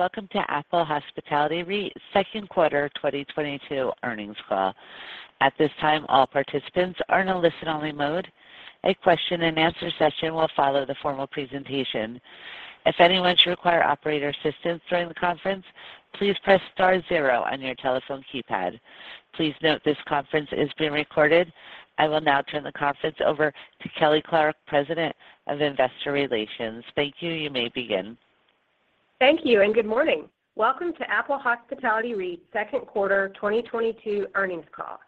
Welcome to Apple Hospitality REIT Q2 2022 earnings call. At this time, all participants are in a listen-only mode. A Q&A session will follow the formal presentation. If anyone should require operator assistance during the conference, please press star zero on your telephone keypad. Please note this conference is being recorded. I will now turn the conference over to Kelly Clarke, President of Investor Relations. Thank you. You may begin. Thank you and good morning. Welcome to Apple Hospitality REIT's Q2 2022 earnings call.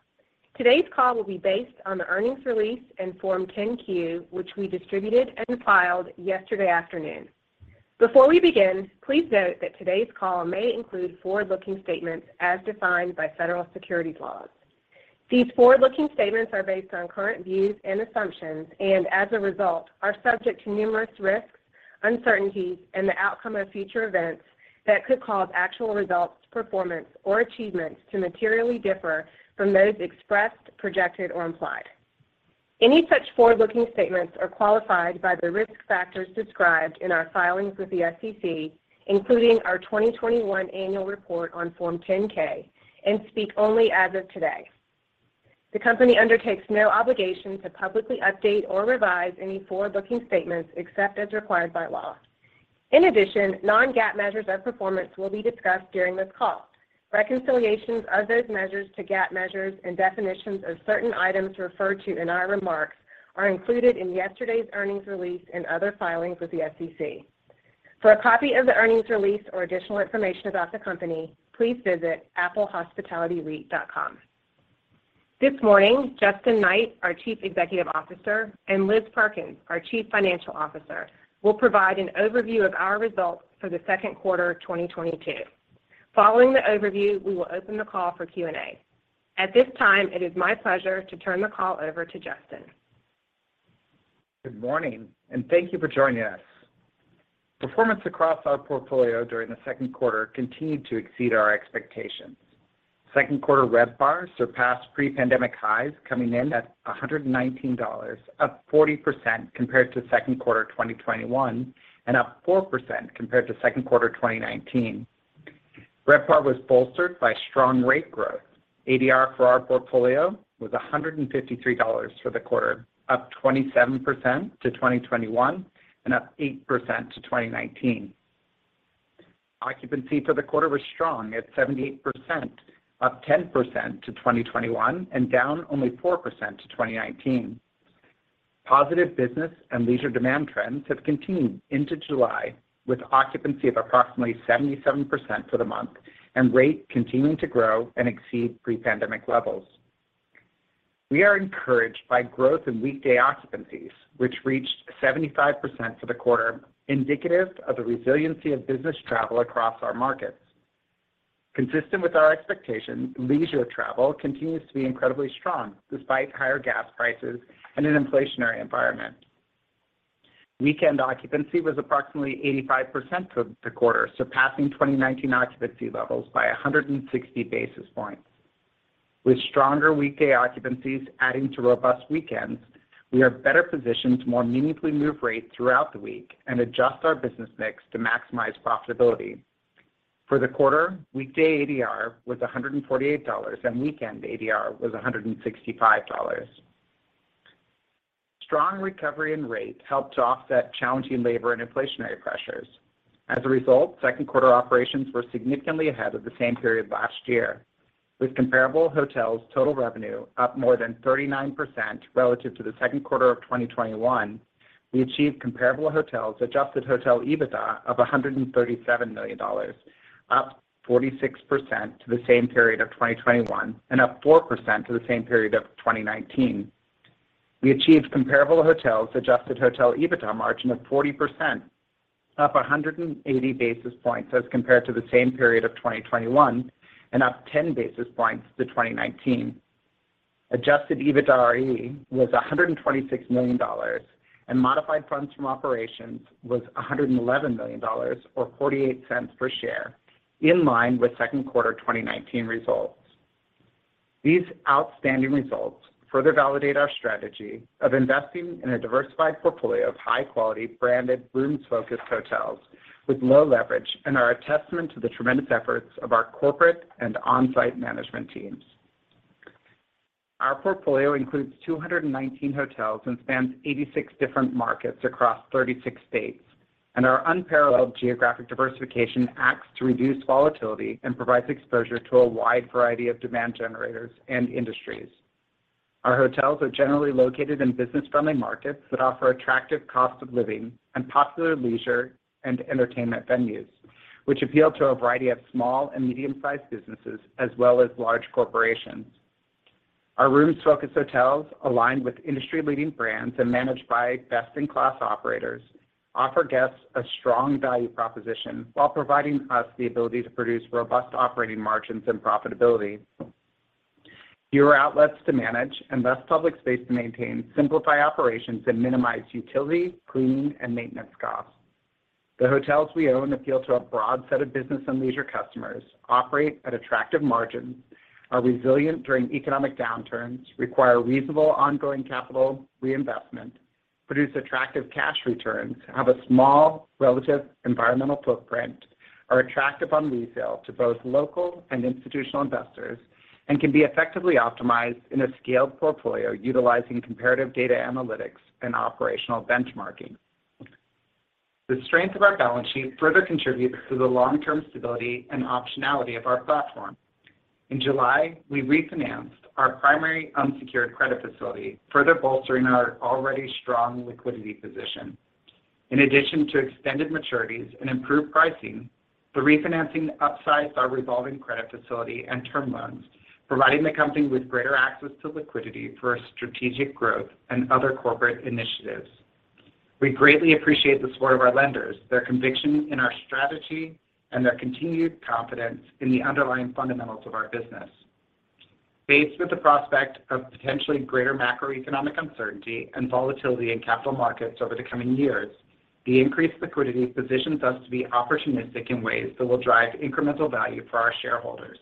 Today's call will be based on the earnings release and Form 10-Q, which we distributed and filed yesterday afternoon. Before we begin, please note that today's call may include forward-looking statements as defined by federal securities laws. These forward-looking statements are based on current views and assumptions, and as a result, are subject to numerous risks, uncertainties, and the outcome of future events that could cause actual results, performance, or achievements to materially differ from those expressed, projected, or implied. Any such forward-looking statements are qualified by the risk factors described in our filings with the SEC, including our 2021 annual report on Form 10-K, and speak only as of today. The company undertakes no obligation to publicly update or revise any forward-looking statements except as required by law. In addition, non-GAAP measures of performance will be discussed during this call. Reconciliations of those measures to GAAP measures and definitions of certain items referred to in our remarks are included in yesterday's earnings release and other filings with the SEC. For a copy of the earnings release or additional information about the company, please visit applehospitalityreit.com. This morning, Justin Knight, our Chief Executive Officer, and Liz Perkins, our Chief Financial Officer, will provide an overview of our results for the Q2 2022. Following the overview, we will open the call for Q&A. At this time, it is my pleasure to turn the call over to Justin. Good morning, and thank you for joining us. Performance across our portfolio during the Q2 continued to exceed our expectations. Q2 RevPAR surpassed pre-pandemic highs, coming in at $119, up 40% compared to Q2 2021, and up 4% compared to Q2 2019. RevPAR was bolstered by strong rate growth. ADR for our portfolio was $153 for the quarter, up 27% to 2021, and up 8% to 2019. Occupancy for the quarter was strong at 78%, up 10% to 2021, and down only 4% to 2019. Positive business and leisure demand trends have continued into July with occupancy of approximately 77% for the month and rate continuing to grow and exceed pre-pandemic levels. We are encouraged by growth in weekday occupancies, which reached 75% for the quarter, indicative of the resiliency of business travel across our markets. Consistent with our expectations, leisure travel continues to be incredibly strong despite higher gas prices and an inflationary environment. Weekend occupancy was approximately 85% for the quarter, surpassing 2019 occupancy levels by 160 basis points. With stronger weekday occupancies adding to robust weekends, we are better positioned to more meaningfully move rates throughout the week and adjust our business mix to maximize profitability. For the quarter, weekday ADR was $148, and weekend ADR was $165. Strong recovery in rate helped to offset challenging labor and inflationary pressures. As a result, Q2 operations were significantly ahead of the same period last year. With comparable hotels' total revenue up more than 39% relative to the Q2 of 2021, we achieved comparable hotels adjusted hotel EBITDA of $137 million, up 46% to the same period of 2021, and up 4% to the same period of 2019. We achieved comparable hotels adjusted hotel EBITDA margin of 40%, up 180 basis points as compared to the same period of 2021, and up 10 basis points to 2019. Adjusted EBITDAre was $126 million, and modified funds from operations was $111 million or 48 cents per share, in line with Q2 2019 results. These outstanding results further validate our strategy of investing in a diversified portfolio of high-quality, branded, rooms-focused hotels with low leverage and are a testament to the tremendous efforts of our corporate and on-site management teams. Our portfolio includes 219 hotels and spans 86 different markets across 36 states, and our unparalleled geographic diversification acts to reduce volatility and provides exposure to a wide variety of demand generators and industries. Our hotels are generally located in business-friendly markets that offer attractive cost of living and popular leisure and entertainment venues, which appeal to a variety of small and medium-sized businesses as well as large corporations. Our rooms-focused hotels, aligned with industry-leading brands and managed by best-in-class operators, offer guests a strong value proposition while providing us the ability to produce robust operating margins and profitability. Fewer outlets to manage and less public space to maintain simplify operations and minimize utility, cleaning, and maintenance costs. The hotels we own appeal to a broad set of business and leisure customers, operate at attractive margins, are resilient during economic downturns, require reasonable ongoing capital reinvestment, produce attractive cash returns, have a small relative environmental footprint, are attractive on resale to both local and institutional investors, and can be effectively optimized in a scaled portfolio utilizing comparative data analytics and operational benchmarking. The strength of our balance sheet further contributes to the long-term stability and optionality of our platform. In July, we refinanced our primary unsecured credit facility, further bolstering our already strong liquidity position. In addition to extended maturities and improved pricing, the refinancing upsized our revolving credit facility and term loans, providing the company with greater access to liquidity for strategic growth and other corporate initiatives. We greatly appreciate the support of our lenders, their conviction in our strategy, and their continued confidence in the underlying fundamentals of our business. Faced with the prospect of potentially greater macroeconomic uncertainty and volatility in capital markets over the coming years, the increased liquidity positions us to be opportunistic in ways that will drive incremental value for our shareholders.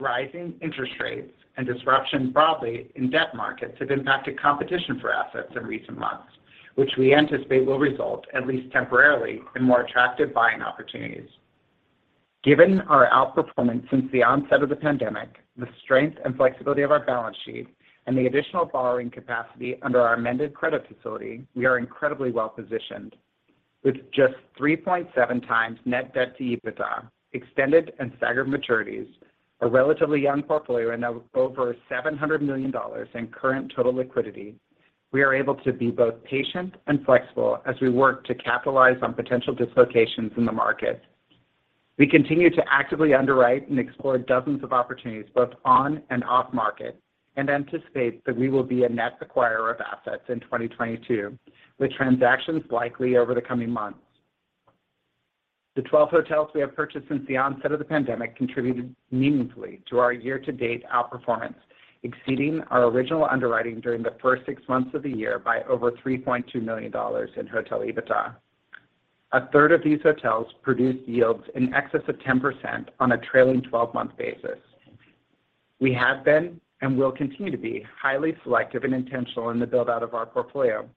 Rising interest rates and disruption broadly in debt markets have impacted competition for assets in recent months, which we anticipate will result, at least temporarily, in more attractive buying opportunities. Given our outperformance since the onset of the pandemic, the strength and flexibility of our balance sheet, and the additional borrowing capacity under our amended credit facility, we are incredibly well-positioned. With just 3.7x net debt to EBITDA, extended and staggered maturities, a relatively young portfolio, and now over $700 million in current total liquidity, we are able to be both patient and flexible as we work to capitalize on potential dislocations in the market. We continue to actively underwrite and explore dozens of opportunities both on and off market and anticipate that we will be a net acquirer of assets in 2022, with transactions likely over the coming months. The 12 hotels we have purchased since the onset of the pandemic contributed meaningfully to our year-to-date outperformance, exceeding our original underwriting during the first 6 months of the year by over $3.2 million in hotel EBITDA. A third of these hotels produced yields in excess of 10% on a trailing 12-month basis. We have been and will continue to be highly selective and intentional in the build-out of our portfolio,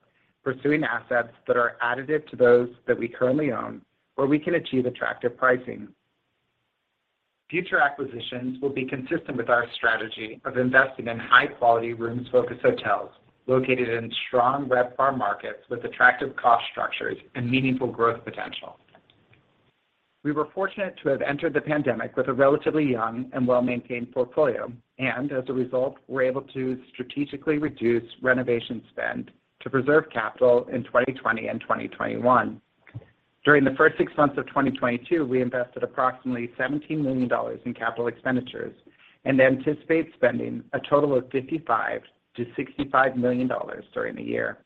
pursuing assets that are additive to those that we currently own, where we can achieve attractive pricing. Future acquisitions will be consistent with our strategy of investing in high-quality rooms-focused hotels located in strong RevPAR markets with attractive cost structures and meaningful growth potential. We were fortunate to have entered the pandemic with a relatively young and well-maintained portfolio and, as a result, were able to strategically reduce renovation spend to preserve capital in 2020 and 2021. During the first six months of 2022, we invested approximately $17 million in capital expenditures and anticipate spending a total of $55 million-$65 million during the year.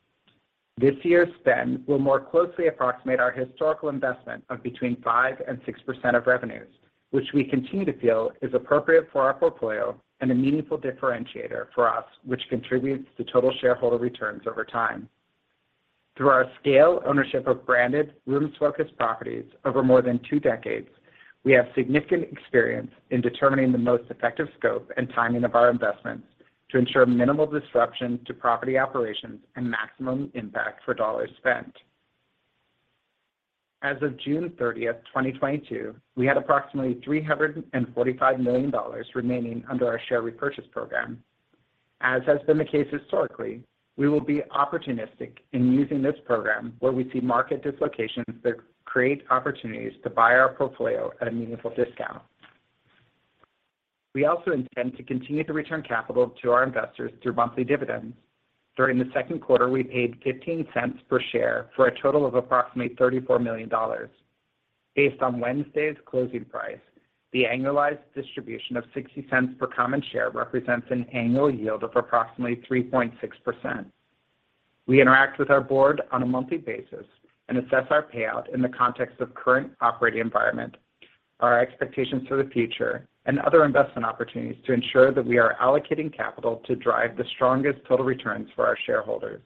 This year's spend will more closely approximate our historical investment of between 5% and 6% of revenues, which we continue to feel is appropriate for our portfolio and a meaningful differentiator for us, which contributes to total shareholder returns over time. Through our scale ownership of branded rooms-focused properties over more than two decades, we have significant experience in determining the most effective scope and timing of our investments to ensure minimal disruption to property operations and maximum impact for dollars spent. As of June 30, 2022, we had approximately $345 million remaining under our share repurchase program. As has been the case historically, we will be opportunistic in using this program where we see market dislocations that create opportunities to buy our portfolio at a meaningful discount. We also intend to continue to return capital to our investors through monthly dividends. During the Q2, we paid $0.15 per share for a total of approximately $34 million. Based on Wednesday's closing price, the annualized distribution of $0.60 per common share represents an annual yield of approximately 3.6%. We interact with our board on a monthly basis and assess our payout in the context of current operating environment, our expectations for the future, and other investment opportunities to ensure that we are allocating capital to drive the strongest total returns for our shareholders.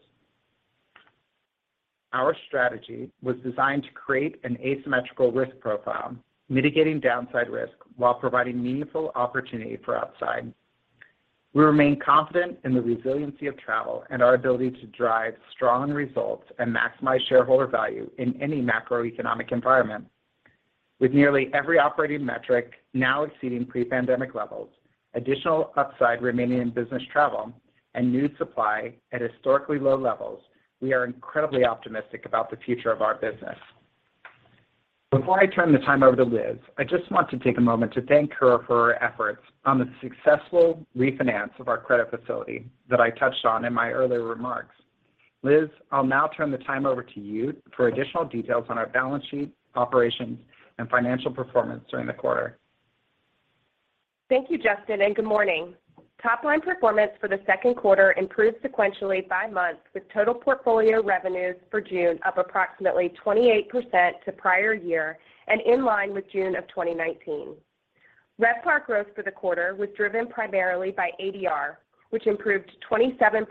Our strategy was designed to create an asymmetrical risk profile, mitigating downside risk while providing meaningful opportunity for upside. We remain confident in the resiliency of travel and our ability to drive strong results and maximize shareholder value in any macroeconomic environment. With nearly every operating metric now exceeding pre-pandemic levels, additional upside remaining in business travel, and new supply at historically low levels, we are incredibly optimistic about the future of our business. Before I turn the time over to Liz, I just want to take a moment to thank her for her efforts on the successful refinance of our credit facility that I touched on in my earlier remarks. Liz, I'll now turn the time over to you for additional details on our balance sheet, operations, and financial performance during the quarter. Thank you, Justin, and good morning. Top line performance for the Q2 improved sequentially by month, with total portfolio revenues for June up approximately 28% to prior year and in line with June of 2019. RevPAR growth for the quarter was driven primarily by ADR, which improved 27%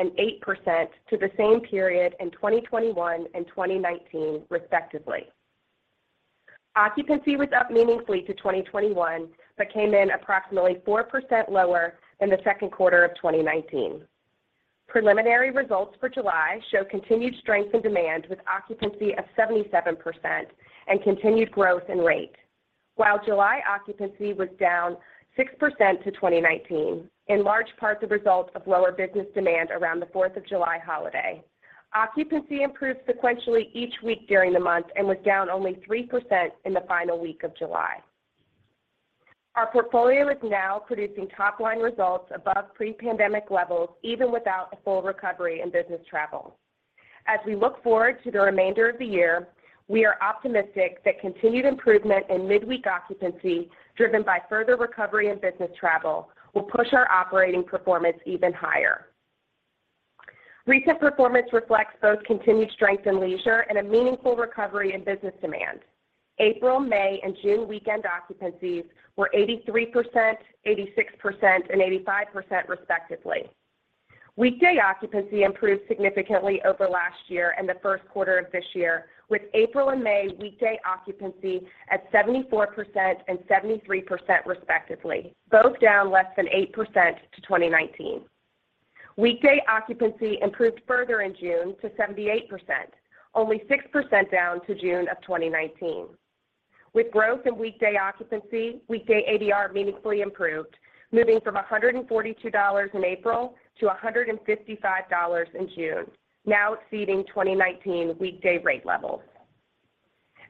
and 8% to the same period in 2021 and 2019, respectively. Occupancy was up meaningfully to 2021, but came in approximately 4% lower than the Q2 of 2019. Preliminary results for July show continued strength in demand, with occupancy of 77% and continued growth in rate. While July occupancy was down 6% to 2019, in large part the result of lower business demand around the 4th of July holiday, occupancy improved sequentially each week during the month and was down only 3% in the final week of July. Our portfolio is now producing top-line results above pre-pandemic levels, even without a full recovery in business travel. As we look forward to the remainder of the year, we are optimistic that continued improvement in midweek occupancy driven by further recovery in business travel will push our operating performance even higher. Recent performance reflects both continued strength in leisure and a meaningful recovery in business demand. April, May, and June weekend occupancies were 83%, 86%, and 85% respectively. Weekday occupancy improved significantly over last year and the Q1 of this year, with April and May weekday occupancy at 74% and 73% respectively, both down less than 8% to 2019. Weekday occupancy improved further in June to 78%, only 6% down to June of 2019. With growth in weekday occupancy, weekday ADR meaningfully improved, moving from $142 in April to $155 in June, now exceeding 2019 weekday rate levels.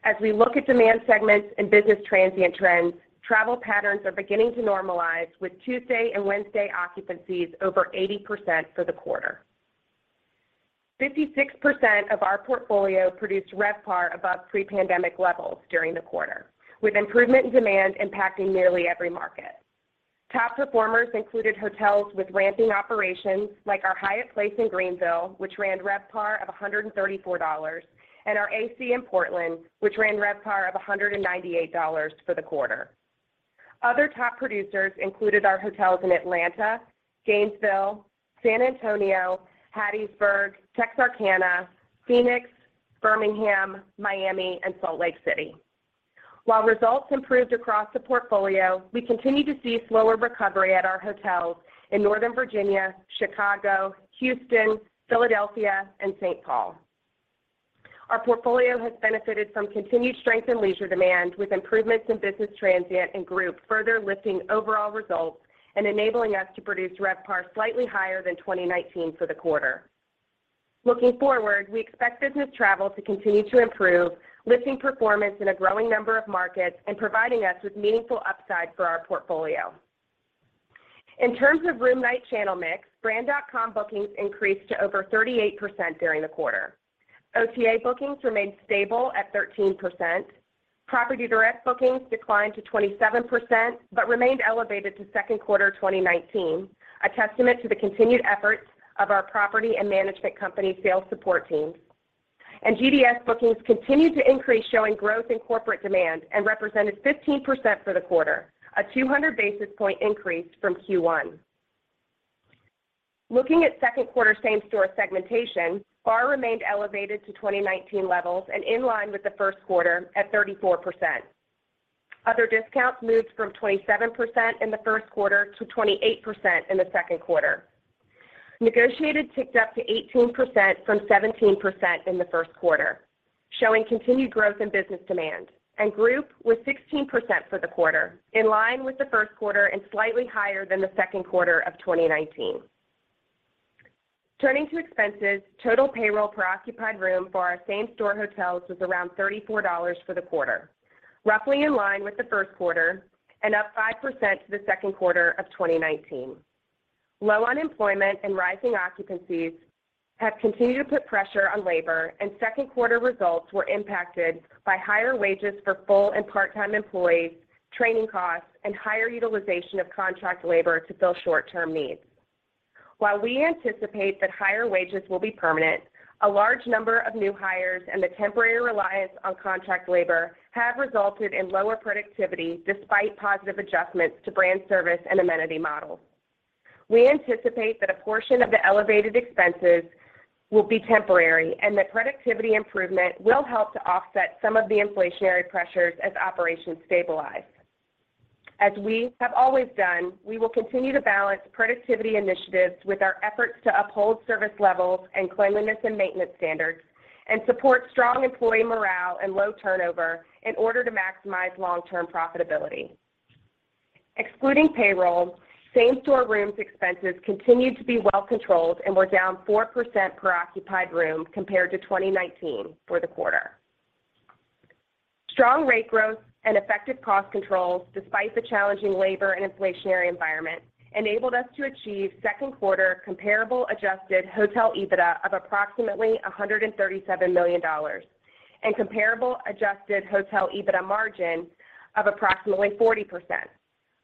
As we look at demand segments and business transient trends, travel patterns are beginning to normalize with Tuesday and Wednesday occupancies over 80% for the quarter. 56 of our portfolio produced RevPAR above pre-pandemic levels during the quarter, with improvement in demand impacting nearly every market. Top performers included hotels with ramping operations like our Hyatt Place in Greenville, which ran RevPAR of $134, and our AC in Portland, which ran RevPAR of $198 for the quarter. Other top producers included our hotels in Atlanta, Gainesville, San Antonio, Hattiesburg, Texarkana, Phoenix, Birmingham, Miami, and Salt Lake City. While results improved across the portfolio, we continue to see slower recovery at our hotels in Northern Virginia, Chicago, Houston, Philadelphia, and St. Paul. Our portfolio has benefited from continued strength in leisure demand, with improvements in business transient and group further lifting overall results and enabling us to produce RevPAR slightly higher than 2019 for the quarter. Looking forward, we expect business travel to continue to improve, lifting performance in a growing number of markets and providing us with meaningful upside for our portfolio. In terms of room night channel mix, brand.com bookings increased to over 38% during the quarter. OTA bookings remained stable at 13%. Property direct bookings declined to 27%, but remained elevated to Q2 2019, a testament to the continued efforts of our property and management company sales support teams. GDS bookings continued to increase, showing growth in corporate demand and represented 15% for the quarter, a 200 basis point increase from Q1. Looking at Q2 same-store segmentation, BAR remained elevated to 2019 levels and in line with the Q1 at 34%. Other discounts moved from 27% in the Q1 to 28% in the Q2. Negotiated ticked up to 18% from 17% in the Q1, showing continued growth in business demand. Group was 16% for the quarter, in line with the Q1 and slightly higher than the Q2 of 2019. Turning to expenses, total payroll per occupied room for our same-store hotels was around $34 for the quarter, roughly in line with the Q1 and up 5% to the Q2 of 2019. Low unemployment and rising occupancies have continued to put pressure on labor, and Q2 results were impacted by higher wages for full and part-time employees, training costs, and higher utilization of contract labor to fill short-term needs. While we anticipate that higher wages will be permanent, a large number of new hires and the temporary reliance on contract labor have resulted in lower productivity despite positive adjustments to brand service and amenity models. We anticipate that a portion of the elevated expenses will be temporary and that productivity improvement will help to offset some of the inflationary pressures as operations stabilize. As we have always done, we will continue to balance productivity initiatives with our efforts to uphold service levels and cleanliness and maintenance standards and support strong employee morale and low turnover in order to maximize long-term profitability. Excluding payroll, same-store rooms expenses continued to be well controlled and were down 4% per occupied room compared to 2019 for the quarter. Strong rate growth and effective cost controls, despite the challenging labor and inflationary environment, enabled us to achieve Q2 comparable adjusted hotel EBITDA of approximately $137 million and comparable adjusted hotel EBITDA margin of approximately 40%,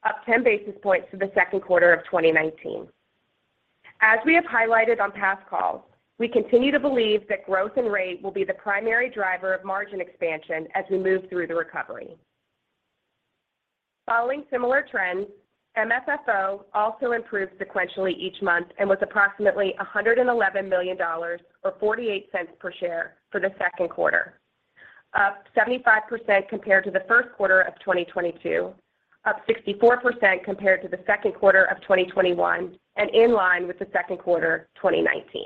up 10 basis points to the Q2 of 2019. As we have highlighted on past calls, we continue to believe that growth and rate will be the primary driver of margin expansion as we move through the recovery. Following similar trends, MFFO also improved sequentially each month and was approximately $111 million or $0.48 per share for the Q2, up 75% compared to the Q1 of 2022, up 64% compared to the Q2 of 2021, and in line with the Q2 of 2019.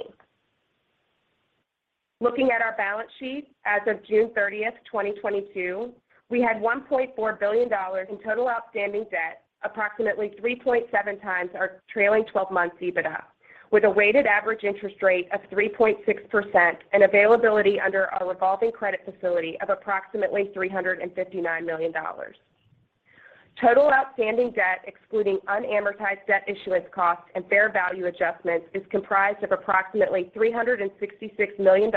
Looking at our balance sheet as of June 30, 2022, we had $1.4 billion in total outstanding debt, approximately 3.7x our trailing twelve months EBITDA, with a weighted average interest rate of 3.6% and availability under our revolving credit facility of approximately $359 million. Total outstanding debt, excluding unamortized debt issuance costs and fair value adjustments, is comprised of approximately $366 million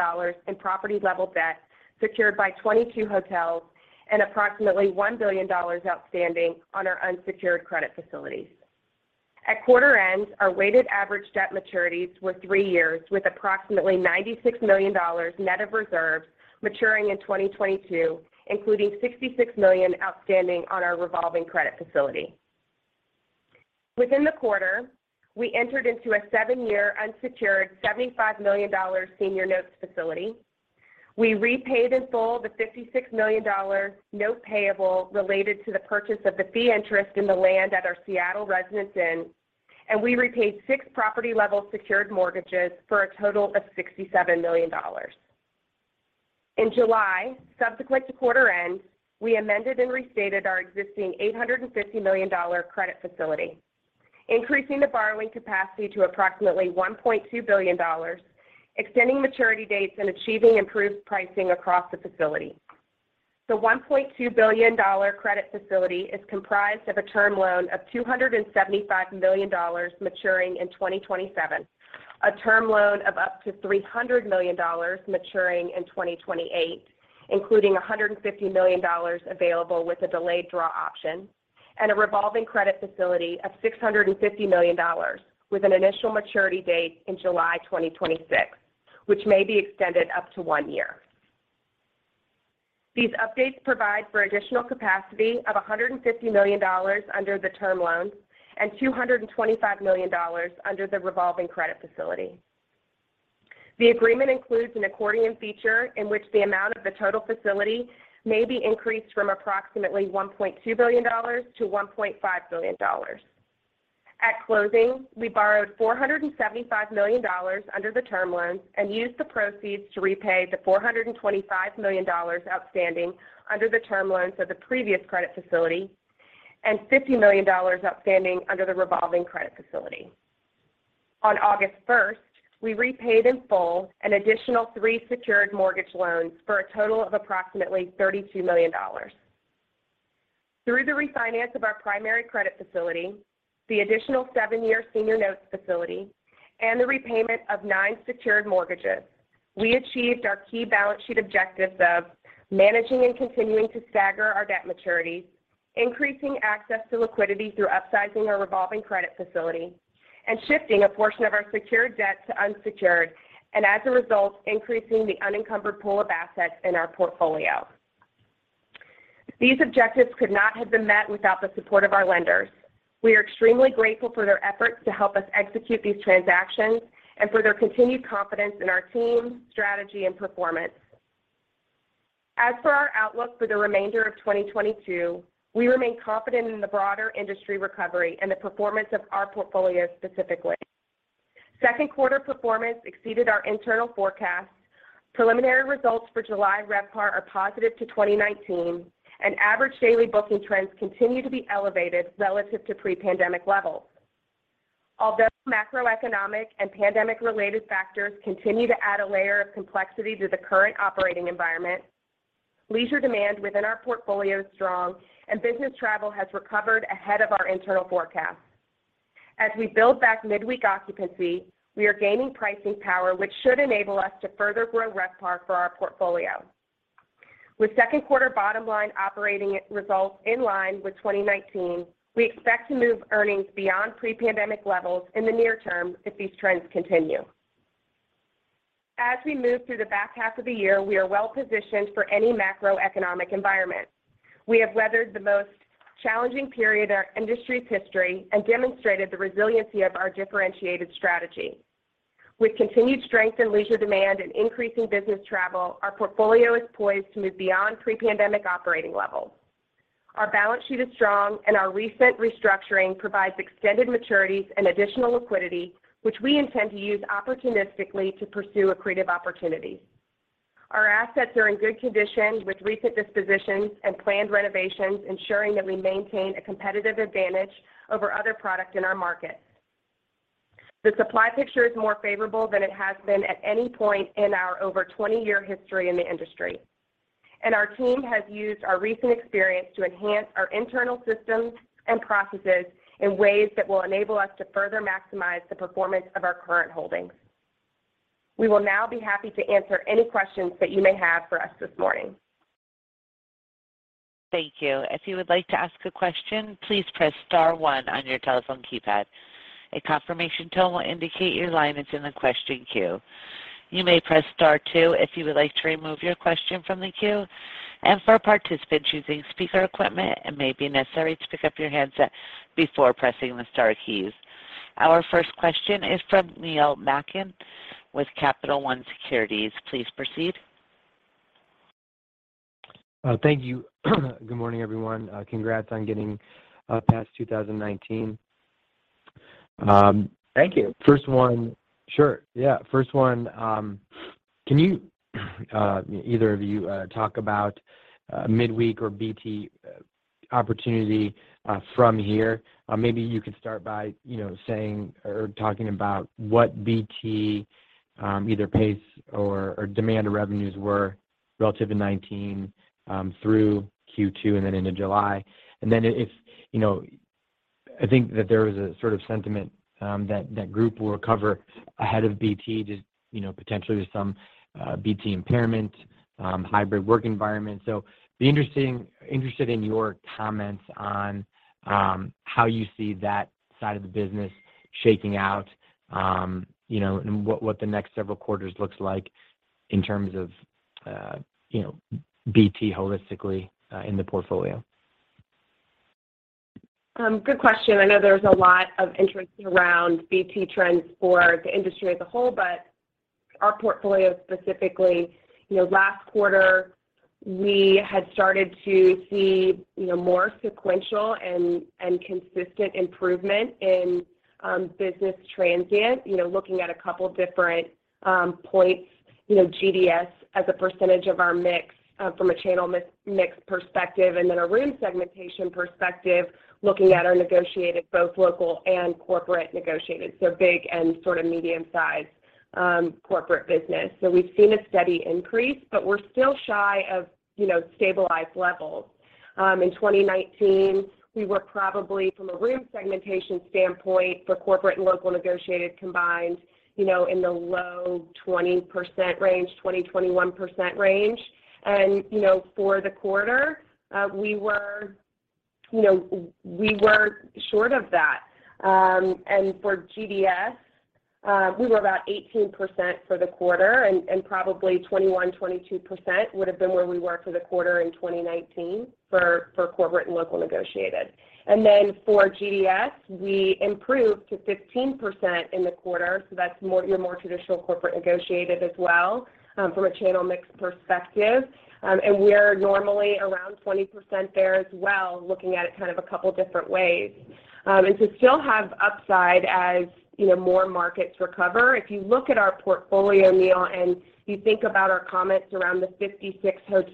in property level debt secured by 22 hotels and approximately $1 billion outstanding on our unsecured credit facilities. At quarter end, our weighted average debt maturities were 3 years with approximately $96 million net of reserves maturing in 2022, including $66 million outstanding on our revolving credit facility. Within the quarter, we entered into a 7-year unsecured $75 million senior notes facility. We repaid in full the $56 million note payable related to the purchase of the fee interest in the land at our Seattle Residence Inn, and we repaid 6 property-level secured mortgages for a total of $67 million. In July, subsequent to quarter end, we amended and restated our existing $850 million credit facility, increasing the borrowing capacity to approximately $1.2 billion, extending maturity dates, and achieving improved pricing across the facility. The $1.2 billion credit facility is comprised of a term loan of $275 million maturing in 2027, a term loan of up to $300 million maturing in 2028, including $150 million available with a delayed draw option, and a revolving credit facility of $650 million with an initial maturity date in July 2026, which may be extended up to one year. These updates provide for additional capacity of $150 million under the term loans and $225 million under the revolving credit facility. The agreement includes an accordion feature in which the amount of the total facility may be increased from approximately $1.2 billion to $1.5 billion. At closing, we borrowed $475 million under the term loans and used the proceeds to repay the $425 million outstanding under the term loans of the previous credit facility and $50 million outstanding under the revolving credit facility. On August first, we repaid in full an additional three secured mortgage loans for a total of approximately $32 million. Through the refinance of our primary credit facility, the additional 7-year senior notes facility, and the repayment of 9 secured mortgages, we achieved our key balance sheet objectives of managing and continuing to stagger our debt maturities, increasing access to liquidity through upsizing our revolving credit facility, and shifting a portion of our secured debt to unsecured, and as a result, increasing the unencumbered pool of assets in our portfolio. These objectives could not have been met without the support of our lenders. We are extremely grateful for their efforts to help us execute these transactions and for their continued confidence in our team, strategy, and performance. As for our outlook for the remainder of 2022, we remain confident in the broader industry recovery and the performance of our portfolio specifically. Q2 performance exceeded our internal forecasts. Preliminary results for July RevPAR are positive to 2019, and average daily booking trends continue to be elevated relative to pre-pandemic levels. Although macroeconomic and pandemic-related factors continue to add a layer of complexity to the current operating environment, leisure demand within our portfolio is strong and business travel has recovered ahead of our internal forecasts. As we build back midweek occupancy, we are gaining pricing power, which should enable us to further grow RevPAR for our portfolio. With Q2 bottom line operating results in line with 2019, we expect to move earnings beyond pre-pandemic levels in the near term if these trends continue. As we move through the back half of the year, we are well positioned for any macroeconomic environment. We have weathered the most challenging period of our industry's history and demonstrated the resiliency of our differentiated strategy. With continued strength in leisure demand and increasing business travel, our portfolio is poised to move beyond pre-pandemic operating levels. Our balance sheet is strong, and our recent restructuring provides extended maturities and additional liquidity, which we intend to use opportunistically to pursue accretive opportunities. Our assets are in good condition with recent dispositions and planned renovations, ensuring that we maintain a competitive advantage over other product in our market. The supply picture is more favorable than it has been at any point in our over 20-year history in the industry. Our team has used our recent experience to enhance our internal systems and processes in ways that will enable us to further maximize the performance of our current holdings. We will now be happy to answer any questions that you may have for us this morning. Thank you. If you would like to ask a question, please press star one on your telephone keypad. A confirmation tone will indicate your line is in the question queue. You may press star two if you would like to remove your question from the queue. For participants using speaker equipment, it may be necessary to pick up your handset before pressing the star keys. Our first question is from Neil Malkin with Capital One Securities. Please proceed. Thank you. Good morning, everyone. Congrats on getting past 2019. Thank you. Sure, yeah. First one, can you, either of you, talk about midweek or BT opportunity from here? Maybe you could start by, you know, saying or talking about what BT, either pace or demand or revenues were relative to 2019 through Q2 and then into July. Then, you know, I think that there was a sort of sentiment that the group will recover ahead of BT, just, you know, potentially some BT impairment, hybrid work environment. Interested in your comments on how you see that side of the business shaking out, you know, and what the next several quarters looks like in terms of, you know, BT holistically in the portfolio. Good question. I know there's a lot of interest around BT trends for the industry as a whole, but our portfolio specifically. You know, last quarter, we had started to see, you know, more sequential and consistent improvement in business transient. You know, looking at a couple different points, you know, GDS as a percentage of our mix from a channel mix perspective, and then a room segmentation perspective, looking at our negotiated, both local and corporate negotiated, so big and sort of medium-sized corporate business. We've seen a steady increase, but we're still shy of, you know, stabilized levels. In 2019, we were probably, from a room segmentation standpoint for corporate and local negotiated combined, you know, in the low 20% range, 20-21% range. You know, for the quarter, we were, you know, short of that. For GDS, we were about 18% for the quarter, and probably 21%-22% would have been where we were for the quarter in 2019 for corporate and local negotiated. For GDS, we improved to 15% in the quarter, so that's more your more traditional corporate negotiated as well, from a channel mix perspective. We are normally around 20% there as well, looking at it kind of a couple different ways. To still have upside as, you know, more markets recover, if you look at our portfolio, Neil, and you think about our comments around the 56%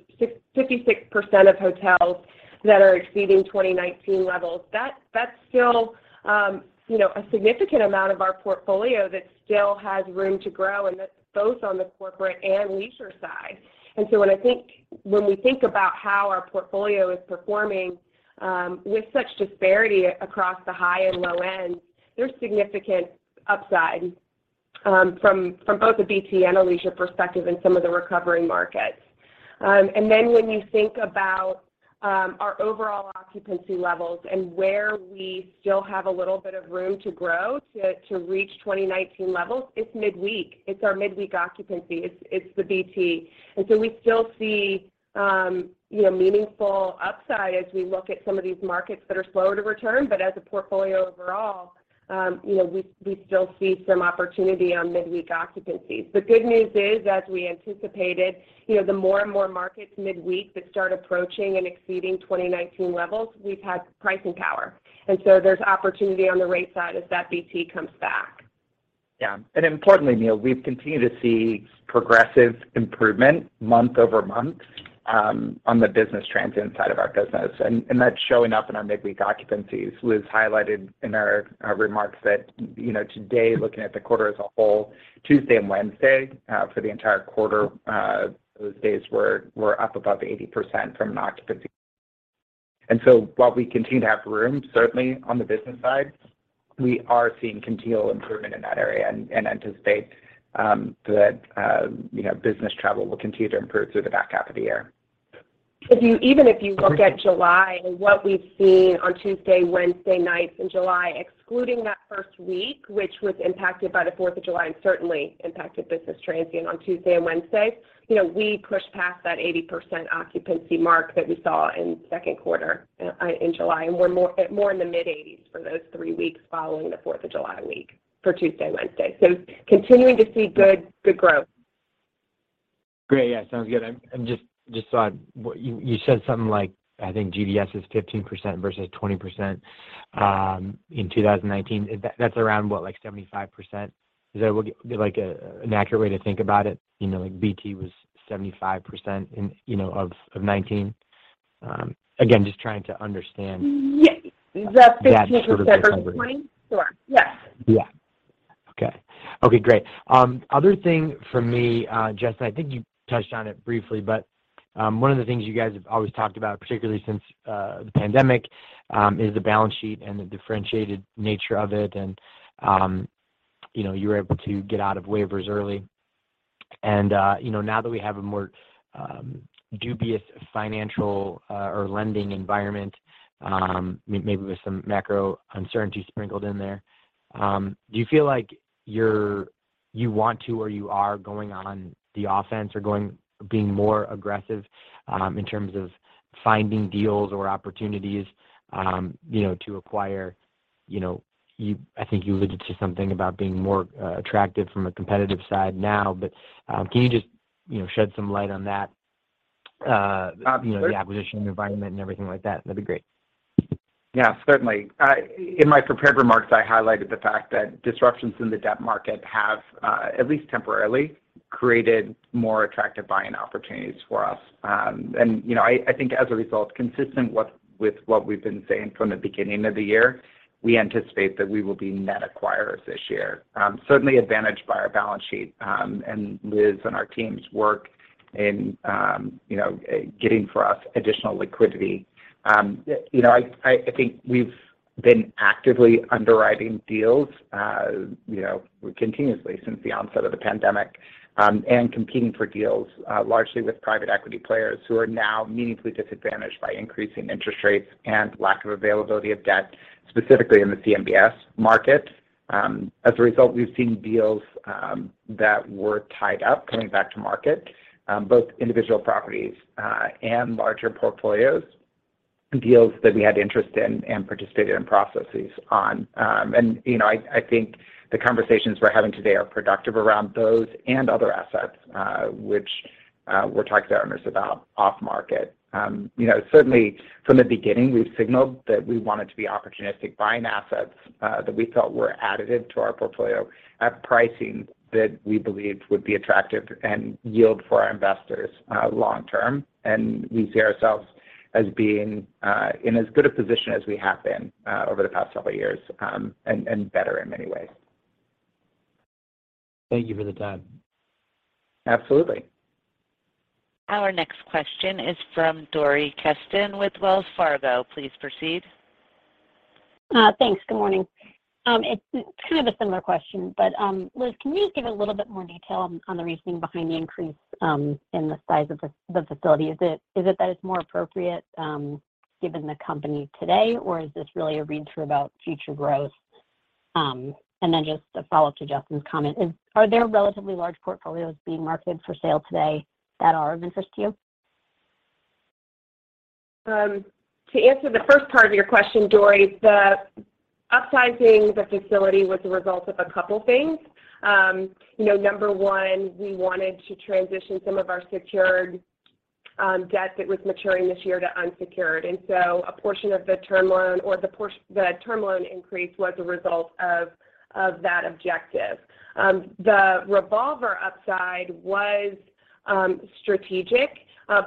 of hotels that are exceeding 2019 levels, that's still, you know, a significant amount of our portfolio that still has room to grow, and that's both on the corporate and leisure side. When we think about how our portfolio is performing, with such disparity across the high and low end, there's significant upside from both a BT and a leisure perspective in some of the recovering markets. When you think about our overall occupancy levels and where we still have a little bit of room to grow to reach 2019 levels, it's midweek. It's our midweek occupancy. It's the BT. We still see, you know, meaningful upside as we look at some of these markets that are slower to return. But as a portfolio overall, you know, we still see some opportunity on midweek occupancies. The good news is, as we anticipated, you know, the more and more markets midweek that start approaching and exceeding 2019 levels, we've had pricing power. There's opportunity on the rate side as that BT comes back. Yeah. Importantly, Neil, we've continued to see progressive improvement month-over-month on the business transient side of our business. That's showing up in our midweek occupancies. Liz highlighted in our remarks that, you know, today, looking at the quarter as a whole, Tuesday and Wednesday for the entire quarter, those days were up above 80% occupancy. While we continue to have room, certainly on the business side, we are seeing continual improvement in that area and anticipate that, you know, business travel will continue to improve through the back half of the year. Even if you look at July, what we've seen on Tuesday, Wednesday nights in July, excluding that first week, which was impacted by the 4th of July and certainly impacted business transient on Tuesday and Wednesday, you know, we pushed past that 80% occupancy mark that we saw in Q2 in July, and we're more in the mid-80s for those 3 weeks following the 4th of July week for Tuesday and Wednesday. Continuing to see good growth. Great. Yeah. Sounds good. I just saw what you said something like, I think GDS is 15% versus 20% in 2019. That's around what? Like 75%? Is that what would be like an accurate way to think about it? You know, like BT was 75% in, you know, of 2019. Again, just trying to understand. Yeah. The 15% versus 20% That sort of recovery. Sure. Yes. Yeah. Okay. Okay, great. Other thing for me, Justin, I think you touched on it briefly, but one of the things you guys have always talked about, particularly since the pandemic, is the balance sheet and the differentiated nature of it, and you know, you were able to get out of waivers early. You know, now that we have a more dubious financial or lending environment, maybe with some macro uncertainty sprinkled in there, do you feel like you want to or you are going on the offense or being more aggressive, in terms of finding deals or opportunities, you know, to acquire, you know, I think you alluded to something about being more attractive from a competitive side now. Can you just, you know, shed some light on that, you know, the acquisition environment and everything like that? That'd be great. Yeah. Certainly. In my prepared remarks, I highlighted the fact that disruptions in the debt market have at least temporarily created more attractive buying opportunities for us. You know, I think as a result, consistent with what we've been saying from the beginning of the year, we anticipate that we will be net acquirers this year, certainly advantaged by our balance sheet, and Liz and our team's work in, you know, getting for us additional liquidity. You know, I think we've been actively underwriting deals, you know, continuously since the onset of the pandemic, and competing for deals, largely with private equity players who are now meaningfully disadvantaged by increasing interest rates and lack of availability of debt, specifically in the CMBS market. As a result, we've seen deals that were tied up coming back to market, both individual properties and larger portfolios, deals that we had interest in and participated in processes on. You know, I think the conversations we're having today are productive around those and other assets, which we're talking to our owners about off market. You know, certainly from the beginning, we've signaled that we wanted to be opportunistic buying assets that we thought were additive to our portfolio at pricing that we believed would be attractive and yield for our investors long term. We see ourselves as being in as good a position as we have been over the past several years and better in many ways. Thank you for the time. Absolutely. Our next question is from Dori Kesten with Wells Fargo. Please proceed. Thanks. Good morning. It's kind of a similar question, but Liz, can you just give a little bit more detail on the reasoning behind the increase in the size of the facility? Is it that it's more appropriate given the company today, or is this really a read-through about future growth? Just a follow-up to Justin's comment. Are there relatively large portfolios being marketed for sale today that are of interest to you? To answer the first part of your question, Dori, the upsizing the facility was the result of a couple things. You know, number one, we wanted to transition some of our secured debt that was maturing this year to unsecured. A portion of the term loan increase was a result of that objective. The revolver upside was strategic,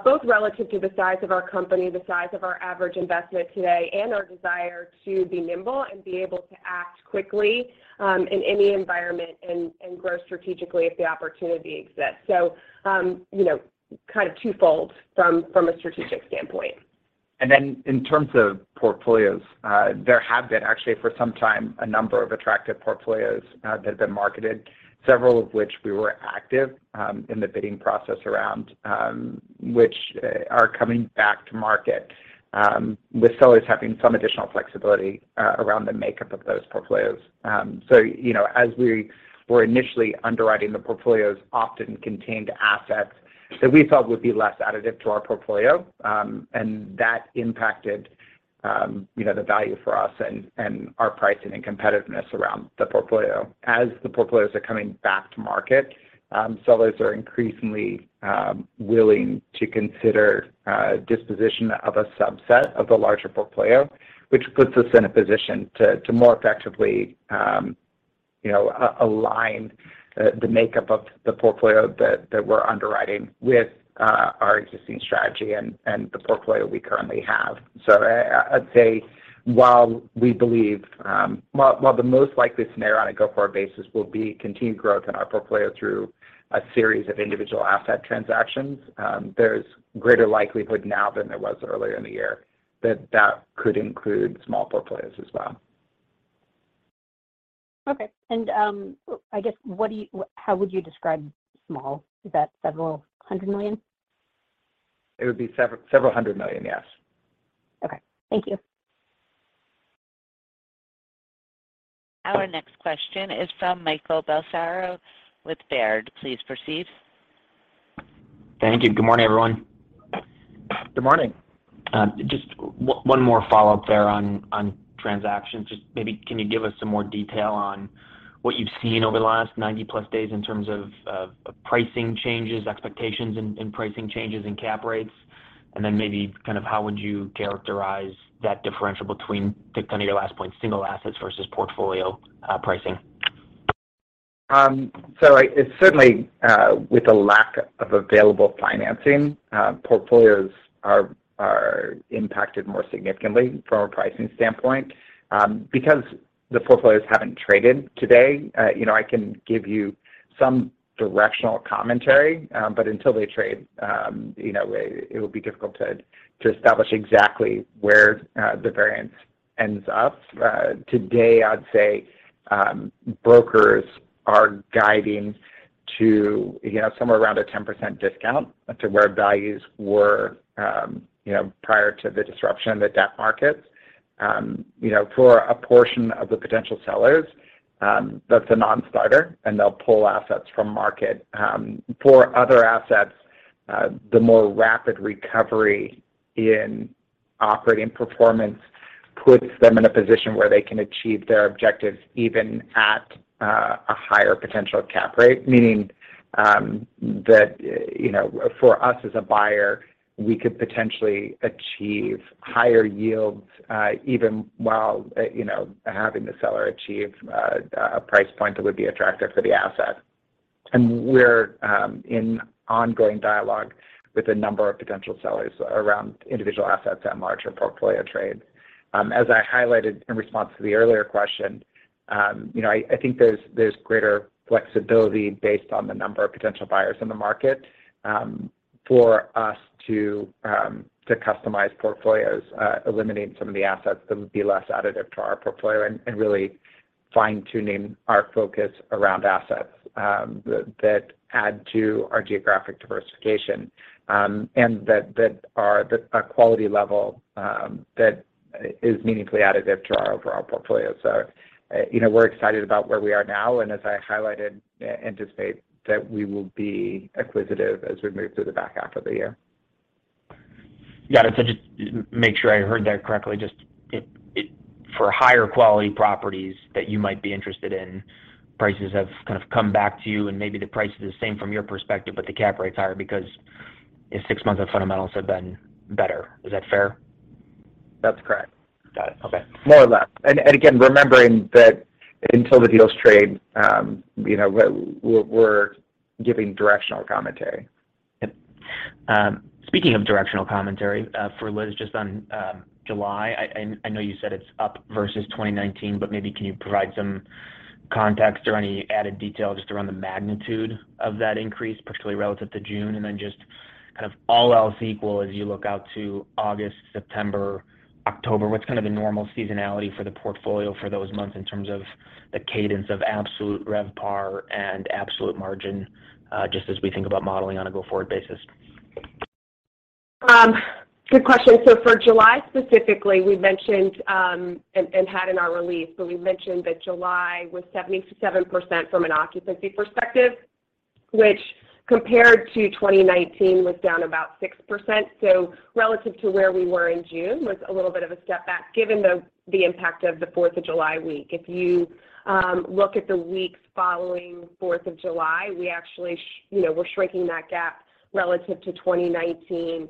both relative to the size of our company, the size of our average investment today, and our desire to be nimble and be able to act quickly in any environment and grow strategically if the opportunity exists. You know, kind of twofold from a strategic standpoint. In terms of portfolios, there have been actually for some time a number of attractive portfolios that have been marketed, several of which we were active in the bidding process around, which are coming back to market with sellers having some additional flexibility around the makeup of those portfolios. You know, as we were initially underwriting the portfolios often contained assets that we felt would be less additive to our portfolio, and that impacted the value for us and our pricing and competitiveness around the portfolio. As the portfolios are coming back to market, sellers are increasingly willing to consider disposition of a subset of the larger portfolio, which puts us in a position to more effectively, you know, align the makeup of the portfolio that we're underwriting with our existing strategy and the portfolio we currently have. I'd say while we believe, while the most likely scenario on a go-forward basis will be continued growth in our portfolio through a series of individual asset transactions, there's greater likelihood now than there was earlier in the year that that could include small portfolios as well. Okay. I guess, how would you describe small? Is that several hundred million? It would be $several hundred million, yes. Okay. Thank you. Our next question is from Michael Bellisario with Baird. Please proceed. Thank you. Good morning, everyone. Good morning. Just one more follow-up there on transactions. Just maybe can you give us some more detail on what you've seen over the last 90-plus days in terms of pricing changes, expectations in pricing changes and cap rates, and then maybe kind of how would you characterize that differential between, to continue your last point, single assets versus portfolio pricing? It's certainly with a lack of available financing, portfolios are impacted more significantly from a pricing standpoint. Because the portfolios haven't traded today, you know, I can give you some directional commentary, but until they trade, you know, it will be difficult to establish exactly where the variance ends up. Today, I'd say, brokers are guiding to, you know, somewhere around a 10% discount to where values were, you know, prior to the disruption in the debt markets. You know, for a portion of the potential sellers, that's a non-starter, and they'll pull assets from market. For other assets, the more rapid recovery in operating performance puts them in a position where they can achieve their objectives even at a higher potential cap rate, meaning that, you know, for us as a buyer, we could potentially achieve higher yields even while, you know, having the seller achieve a price point that would be attractive for the asset. We're in ongoing dialogue with a number of potential sellers around individual assets at larger portfolio trades. As I highlighted in response to the earlier question, you know, I think there's greater flexibility based on the number of potential buyers in the market, for us to customize portfolios, eliminate some of the assets that would be less additive to our portfolio and really fine-tuning our focus around assets, that add to our geographic diversification, and that are at a quality level, that is meaningfully additive to our overall portfolio. You know, we're excited about where we are now, and as I highlighted, anticipate that we will be acquisitive as we move through the back half of the year. Yeah. To just make sure I heard that correctly, for higher quality properties that you might be interested in, prices have kind of come back to you, and maybe the price is the same from your perspective, but the cap rate's higher because the six months of fundamentals have been better. Is that fair? That's correct. Got it. Okay. More or less. Again, remembering that until the deals trade, you know, we're giving directional commentary. Yep. Speaking of directional commentary, for Liz, just on July, I know you said it's up versus 2019, but maybe can you provide some context or any added detail just around the magnitude of that increase, particularly relative to June? Just kind of all else equal as you look out to August, September, October, what's kind of the normal seasonality for the portfolio for those months in terms of the cadence of absolute RevPAR and absolute margin, just as we think about modeling on a go-forward basis? Good question. For July specifically, we mentioned, and had in our release, but we mentioned that July was 77% from an occupancy perspective, which compared to 2019 was down about 6%. Relative to where we were in June was a little bit of a step back given the impact of the 4th of July week. If you look at the weeks following 4th of July, we actually, you know, we're shrinking that gap relative to 2019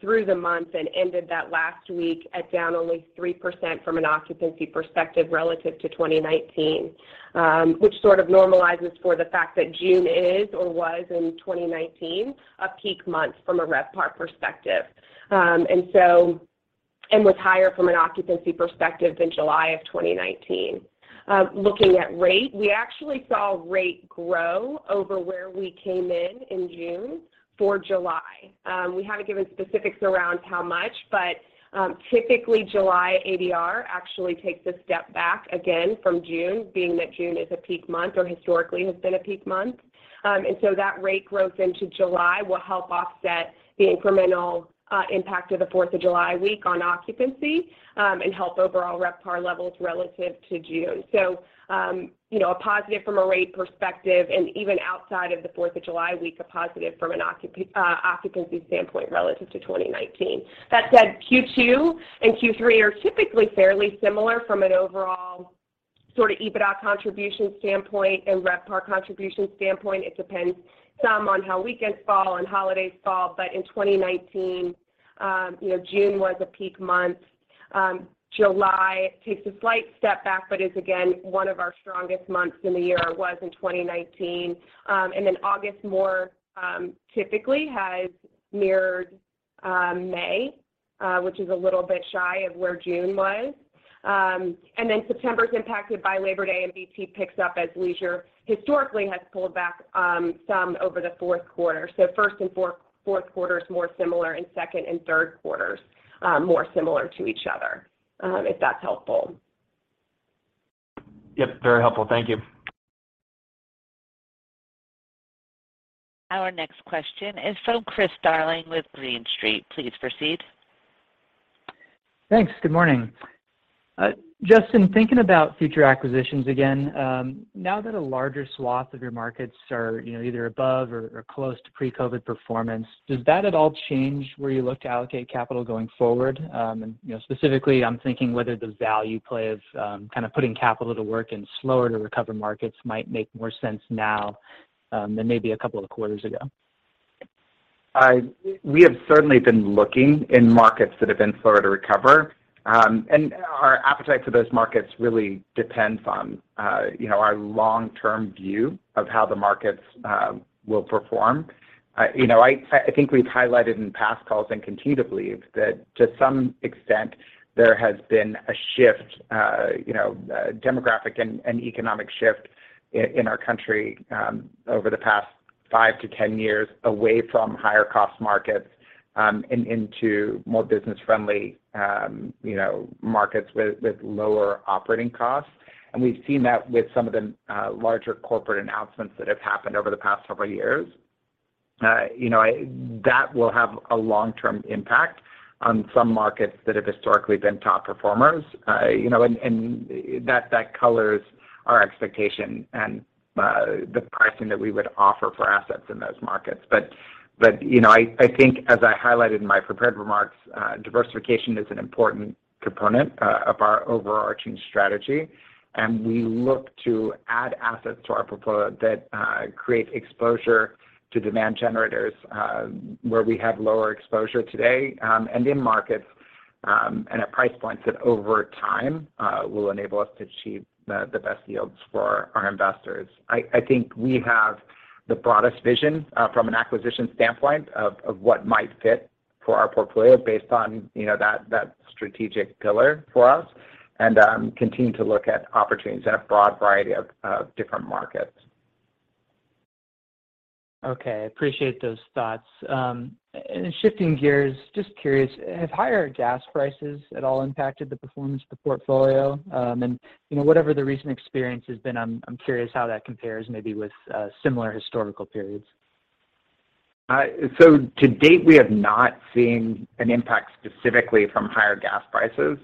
through the month and ended that last week at down only 3% from an occupancy perspective relative to 2019, which sort of normalizes for the fact that June is or was in 2019 a peak month from a RevPAR perspective. And was higher from an occupancy perspective than July of 2019. Looking at rate, we actually saw rate grow over where we came in in June for July. We haven't given specifics around how much, but, typically July ADR actually takes a step back again from June, being that June is a peak month or historically has been a peak month. That rate growth into July will help offset the incremental impact of the 4th of July week on occupancy and help overall RevPAR levels relative to June. You know, a positive from a rate perspective and even outside of the 4th of July week, a positive from an occupancy standpoint relative to 2019. That said, Q2 and Q3 are typically fairly similar from an overall sort of EBITDA contribution standpoint and RevPAR contribution standpoint. It depends some on how weekends fall and holidays fall, but in 2019, you know, June was a peak month. July takes a slight step back, but is again one of our strongest months in the year or was in 2019. August more typically has mirrored May, which is a little bit shy of where June was. September's impacted by Labor Day, and BT picks up as leisure historically has pulled back some over the Q4. Q1 and Q4 is more similar, and Q2 and Q3 is more similar to each other, if that's helpful. Yep, very helpful. Thank you. Our next question is from Chris Darling with Green Street. Please proceed. Thanks. Good morning. Justin, thinking about future acquisitions again, now that a larger swath of your markets are, you know, either above or close to pre-COVID performance, does that at all change where you look to allocate capital going forward? You know, specifically I'm thinking whether the value play of, kind of putting capital to work in slower to recover markets might make more sense now, than maybe a couple of quarters ago. We have certainly been looking in markets that have been slower to recover. Our appetite for those markets really depends on, you know, our long-term view of how the markets will perform. You know, I think we've highlighted in past calls and continue to believe that to some extent there has been a shift, you know, a demographic and economic shift in our country, over the past five to 10 years away from higher cost markets, and into more business-friendly, you know, markets with lower operating costs. We've seen that with some of the larger corporate announcements that have happened over the past several years. That will have a long-term impact on some markets that have historically been top performers. You know, that colors our expectation and the pricing that we would offer for assets in those markets. You know, I think as I highlighted in my prepared remarks, diversification is an important component of our overarching strategy, and we look to add assets to our portfolio that create exposure to demand generators, where we have lower exposure today, and in markets and at price points that over time will enable us to achieve the best yields for our investors. I think we have the broadest vision from an acquisition standpoint of what might fit for our portfolio based on, you know, that strategic pillar for us and continue to look at opportunities in a broad variety of different markets. Okay. I appreciate those thoughts. Shifting gears, just curious, have higher gas prices at all impacted the performance of the portfolio? You know, whatever the recent experience has been, I'm curious how that compares maybe with similar historical periods. To date, we have not seen an impact specifically from higher gas prices.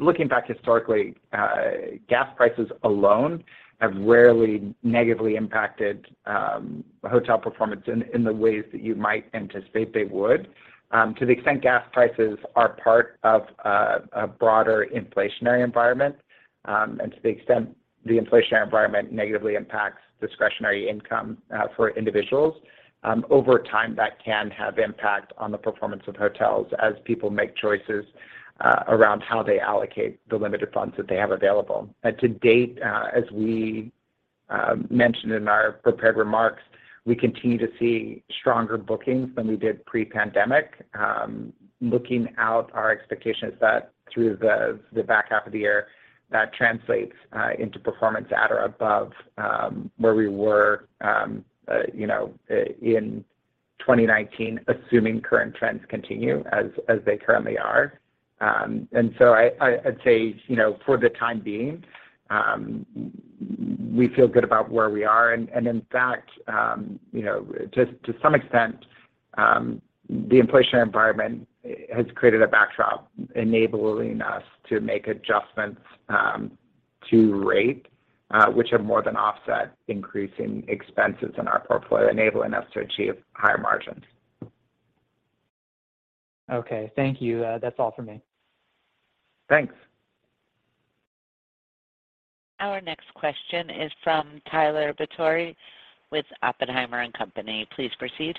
Looking back historically, gas prices alone have rarely negatively impacted hotel performance in the ways that you might anticipate they would. To the extent gas prices are part of a broader inflationary environment, to the extent the inflationary environment negatively impacts discretionary income for individuals, over time, that can have impact on the performance of hotels as people make choices around how they allocate the limited funds that they have available. To date, as we mentioned in our prepared remarks, we continue to see stronger bookings than we did pre-pandemic. Looking out, our expectation is that through the back half of the year, that translates into performance at or above where we were, you know, in 2019, assuming current trends continue as they currently are. I'd say, you know, for the time being, we feel good about where we are. In fact, you know, to some extent, the inflationary environment has created a backdrop enabling us to make adjustments to rate, which have more than offset increasing expenses in our portfolio, enabling us to achieve higher margins. Okay. Thank you. That's all for me. Thanks. Our next question is from Tyler Batory with Oppenheimer & Co. Inc. Please proceed.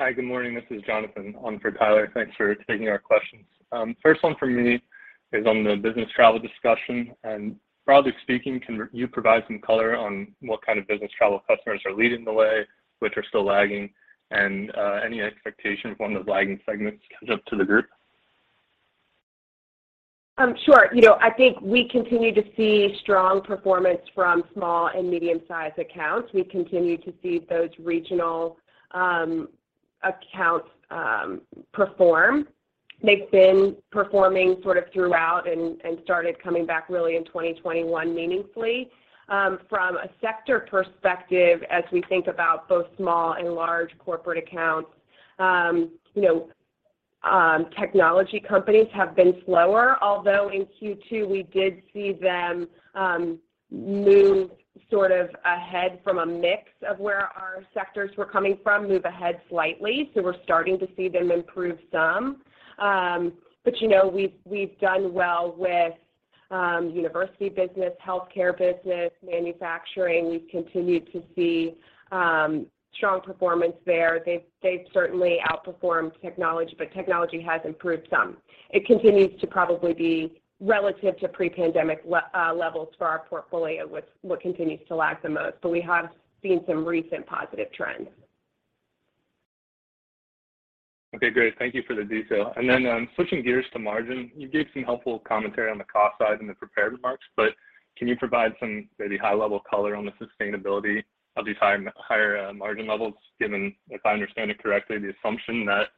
Hi, good morning. This is Jonathan on for Tyler. Thanks for taking our questions. First one from me is on the business travel discussion. Broadly speaking, can you provide some color on what kind of business travel customers are leading the way, which are still lagging, and any expectation of when those lagging segments catch up to the group? Sure. You know, I think we continue to see strong performance from small and medium-sized accounts. We continue to see those regional accounts perform. They've been performing sort of throughout and started coming back really in 2021 meaningfully. From a sector perspective, as we think about both small and large corporate accounts, you know, technology companies have been slower, although in Q2, we did see them move sort of ahead from a mix of where our sectors were coming from, move ahead slightly. We're starting to see them improve some. You know, we've done well with university business, healthcare business, manufacturing. We've continued to see strong performance there. They've certainly outperformed technology, but technology has improved some. It continues to probably be relative to pre-pandemic levels for our portfolio, which continues to lag the most, but we have seen some recent positive trends. Okay, great. Thank you for the detail. Switching gears to margin, you gave some helpful commentary on the cost side in the prepared remarks, but can you provide some maybe high-level color on the sustainability of these higher margin levels, given, if I understand it correctly, the assumption that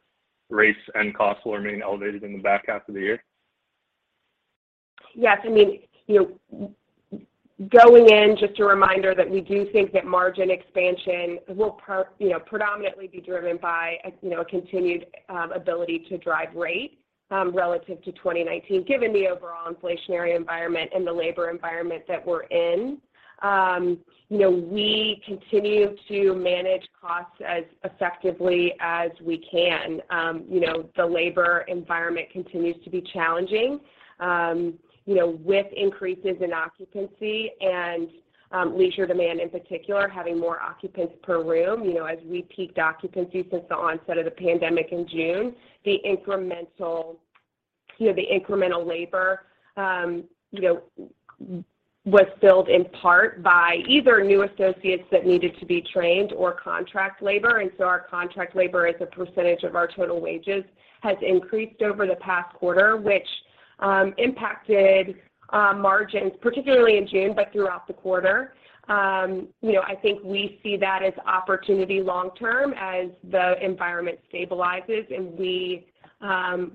rates and costs will remain elevated in the back half of the year? Yes. I mean, you know, going in, just a reminder that we do think that margin expansion will, you know, predominantly be driven by a continued ability to drive rate relative to 2019, given the overall inflationary environment and the labor environment that we're in. You know, we continue to manage costs as effectively as we can. You know, the labor environment continues to be challenging. You know, with increases in occupancy and leisure demand in particular, having more occupants per room, you know, as we peaked occupancy since the onset of the pandemic in June, the incremental labor was filled in part by either new associates that needed to be trained or contract labor. Our contract labor as a percentage of our total wages has increased over the past quarter, which impacted margins, particularly in June, but throughout the quarter. You know, I think we see that as opportunity long term as the environment stabilizes, and we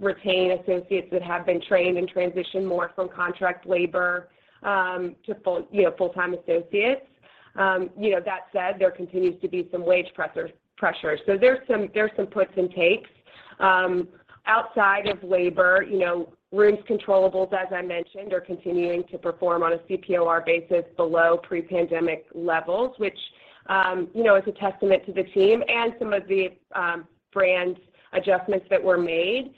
retain associates that have been trained and transition more from contract labor to full, you know, full-time associates. You know, that said, there continues to be some wage pressure. There's some puts and takes. Outside of labor, you know, rooms controllables, as I mentioned, are continuing to perform on a CPOR basis below pre-pandemic levels, which is a testament to the team and some of the brand adjustments that were made.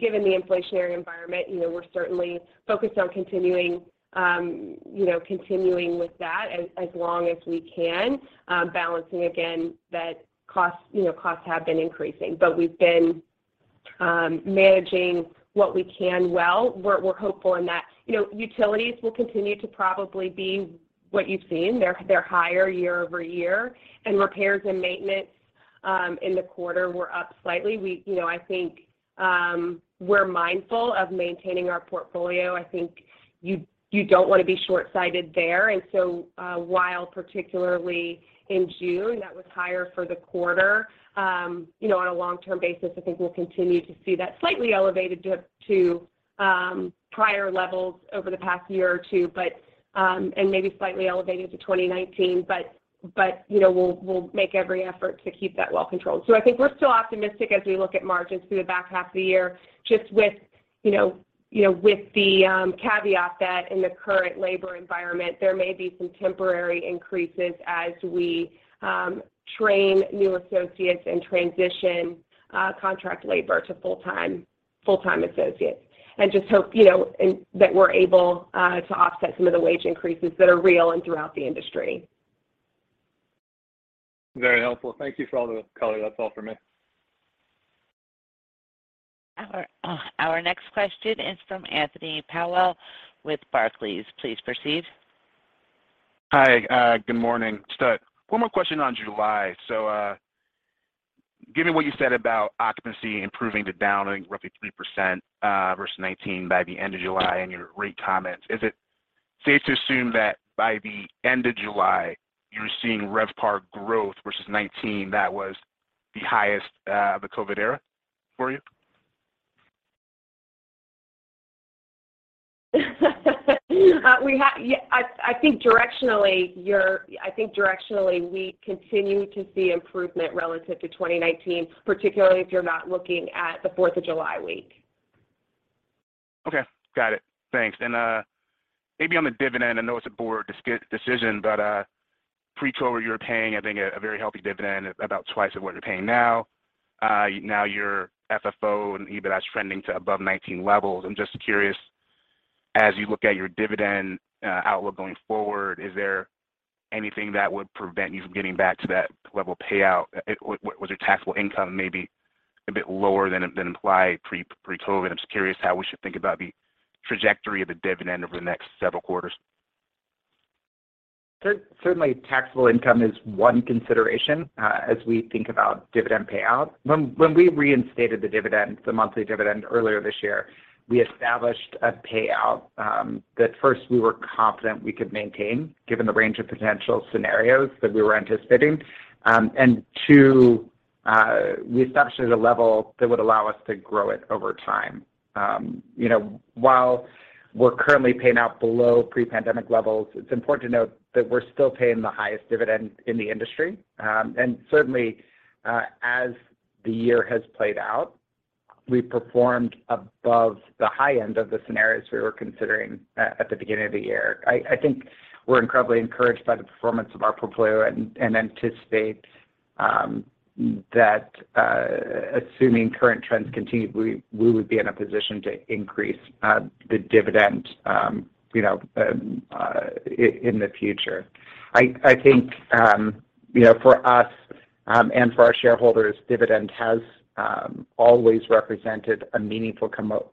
Given the inflationary environment, you know, we're certainly focused on continuing with that as long as we can, balancing again that costs, you know, costs have been increasing. We've been managing what we can well. We're hopeful in that. You know, utilities will continue to probably be what you've seen. They're higher year over year, and repairs and maintenance in the quarter were up slightly. You know, I think we're mindful of maintaining our portfolio. I think you don't wanna be short-sighted there. While particularly in June, that was higher for the quarter, you know, on a long-term basis, I think we'll continue to see that slightly elevated to prior levels over the past year or two, but and maybe slightly elevated to 2019. you know, we'll make every effort to keep that well controlled. I think we're still optimistic as we look at margins through the back half of the year, just with you know you know with the caveat that in the current labor environment, there may be some temporary increases as we train new associates and transition contract labor to full-time associates. just hope you know and that we're able to offset some of the wage increases that are real and throughout the industry. Very helpful. Thank you for all the color. That's all for me. Our next question is from Anthony Powell with Barclays. Please proceed. Hi, good morning. Just one more question on July. Given what you said about occupancy improving to down, I think, roughly 3% versus 2019 by the end of July and your rate comments, is it safe to assume that by the end of July, you're seeing RevPAR growth versus 2019 that was the highest of the COVID era for you? I think directionally, we continue to see improvement relative to 2019, particularly if you're not looking at the 4th of July week. Okay. Got it. Thanks. Maybe on the dividend, I know it's a board decision, but pre-COVID, you were paying, I think, a very healthy dividend, about twice of what you're paying now. Now your FFO and EBITDA is trending to above 19 levels. I'm just curious, as you look at your dividend outlook going forward, is there anything that would prevent you from getting back to that level payout? Was your taxable income maybe a bit lower than implied pre-COVID? I'm just curious how we should think about the trajectory of the dividend over the next several quarters. Certainly, taxable income is one consideration as we think about dividend payout. When we reinstated the dividend, the monthly dividend earlier this year, we established a payout that first we were confident we could maintain given the range of potential scenarios that we were anticipating, and two, we established a level that would allow us to grow it over time. You know, while we're currently paying out below pre-pandemic levels, it's important to note that we're still paying the highest dividend in the industry. Certainly, as the year has played out, we performed above the high end of the scenarios we were considering at the beginning of the year. I think we're incredibly encouraged by the performance of our portfolio and anticipate that assuming current trends continue, we would be in a position to increase the dividend, you know, in the future. I think, you know, for us and for our shareholders, dividend has always represented a meaningful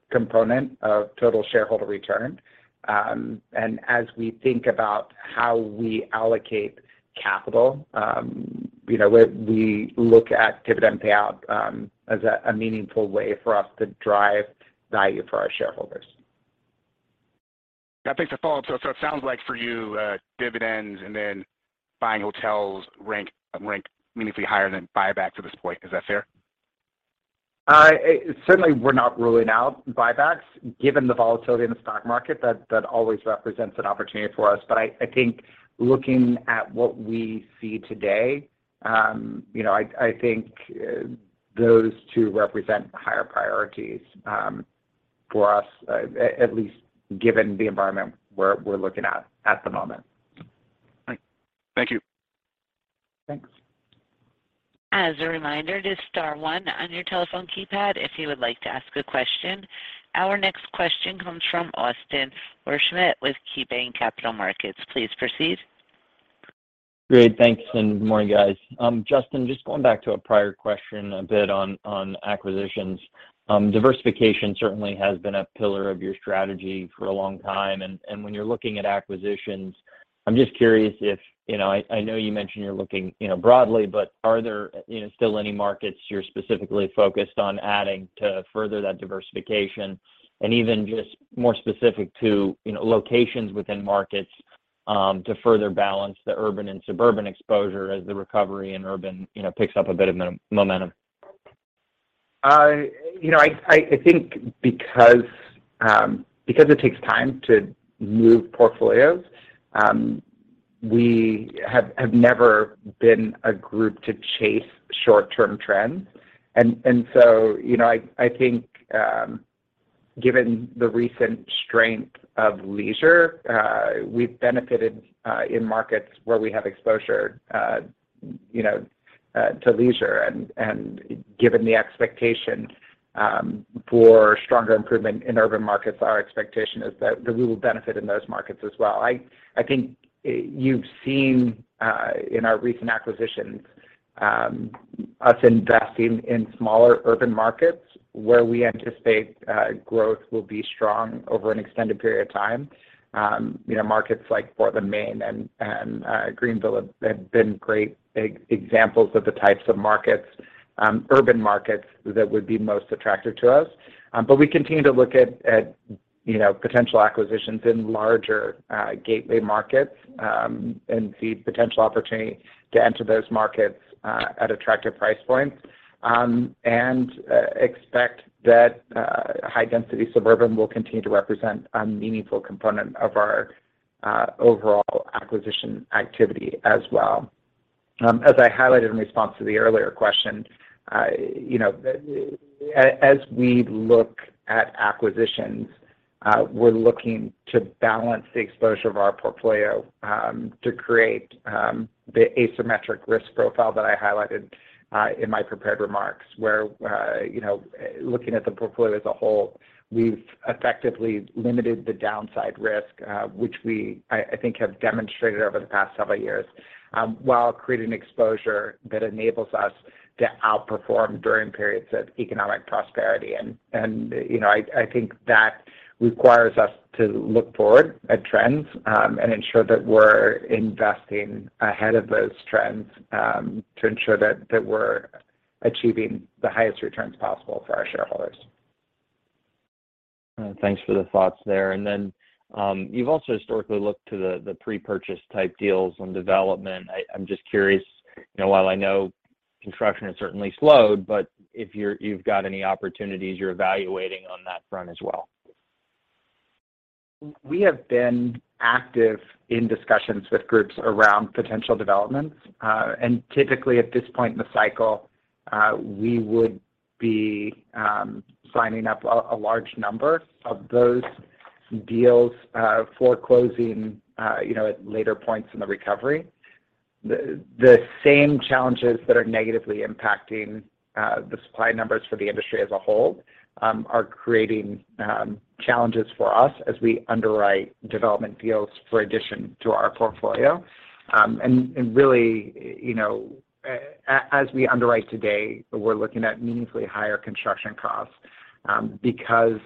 component of total shareholder return. As we think about how we allocate capital, you know, we look at dividend payout as a meaningful way for us to drive value for our shareholders. I think to follow up, so it sounds like for you, dividends and then buying hotels rank meaningfully higher than buyback to this point. Is that fair? Certainly, we're not ruling out buybacks. Given the volatility in the stock market, that always represents an opportunity for us. I think looking at what we see today, you know, I think those two represent higher priorities for us, at least given the environment we're looking at at the moment. Thank you. Thanks. As a reminder, just star one on your telephone keypad if you would like to ask a question. Our next question comes from Austin Wurschmidt with KeyBanc Capital Markets. Please proceed. Great. Thanks, and good morning, guys. Justin, just going back to a prior question a bit on acquisitions. Diversification certainly has been a pillar of your strategy for a long time. When you're looking at acquisitions I'm just curious if you know, I know you mentioned you're looking, you know, broadly, but are there, you know, still any markets you're specifically focused on adding to further that diversification? Even just more specific to, you know, locations within markets to further balance the urban and suburban exposure as the recovery in urban, you know, picks up a bit of momentum. You know, I think because it takes time to move portfolios, we have never been a group to chase short-term trends. You know, I think given the recent strength of leisure, we've benefited in markets where we have exposure, you know, to leisure. Given the expectation for stronger improvement in urban markets, our expectation is that we will benefit in those markets as well. I think you've seen in our recent acquisitions us investing in smaller urban markets where we anticipate growth will be strong over an extended period of time. You know, markets like Portland, Maine and Greenville have been great examples of the types of markets, urban markets that would be most attractive to us. We continue to look at, you know, potential acquisitions in larger gateway markets, and see potential opportunity to enter those markets at attractive price points. We expect that high density suburban will continue to represent a meaningful component of our overall acquisition activity as well. As I highlighted in response to the earlier question, you know, as we look at acquisitions, we're looking to balance the exposure of our portfolio to create the asymmetric risk profile that I highlighted in my prepared remarks, where, you know, looking at the portfolio as a whole, we've effectively limited the downside risk, which, I think, we have demonstrated over the past several years, while creating exposure that enables us to outperform during periods of economic prosperity. You know, I think that requires us to look forward at trends and ensure that we're investing ahead of those trends to ensure that we're achieving the highest returns possible for our shareholders. Thanks for the thoughts there. You've also historically looked to the pre-purchase type deals on development. I'm just curious, you know, while I know construction has certainly slowed, but if you've got any opportunities you're evaluating on that front as well. We have been active in discussions with groups around potential developments. Typically at this point in the cycle, we would be signing up a large number of those deals for closing, you know, at later points in the recovery. The same challenges that are negatively impacting the supply numbers for the industry as a whole are creating challenges for us as we underwrite development deals for addition to our portfolio. Really, you know, as we underwrite today, we're looking at meaningfully higher construction costs, because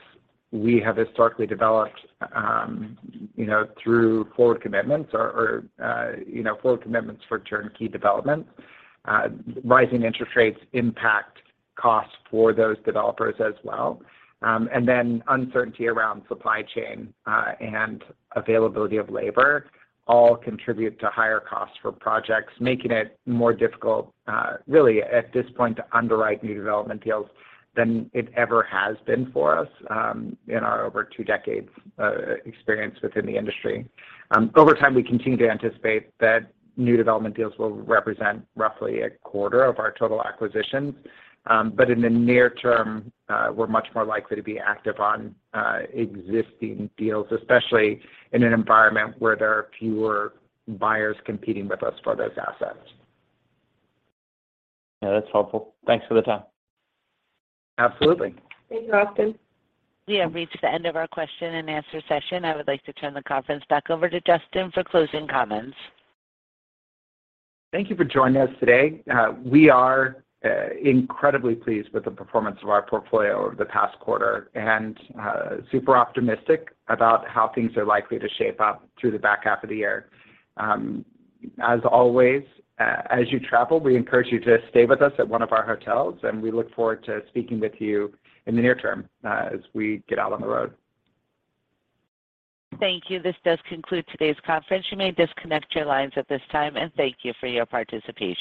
we have historically developed, you know, through forward commitments for turnkey development. Rising interest rates impact costs for those developers as well. Uncertainty around supply chain and availability of labor all contribute to higher costs for projects, making it more difficult, really at this point, to underwrite new development deals than it ever has been for us in our over two decades experience within the industry. Over time, we continue to anticipate that new development deals will represent roughly a quarter of our total acquisitions. In the near term, we're much more likely to be active on existing deals, especially in an environment where there are fewer buyers competing with us for those assets. Yeah, that's helpful. Thanks for the time. Absolutely. Thank you, Austin. We have reached the end of our Q&A session. I would like to turn the conference back over to Justin for closing comments. Thank you for joining us today. We are incredibly pleased with the performance of our portfolio over the past quarter and super optimistic about how things are likely to shape up through the back half of the year. As always, as you travel, we encourage you to stay with us at one of our hotels, and we look forward to speaking with you in the near term, as we get out on the road. Thank you. This does conclude today's conference. You may disconnect your lines at this time, and thank you for your participation.